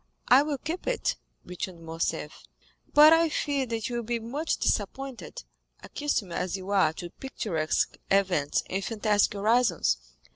"I will keep it," returned Morcerf; "but I fear that you will be much disappointed, accustomed as you are to picturesque events and fantastic horizons.